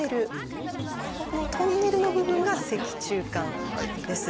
このトンネルの部分が「脊柱管」です。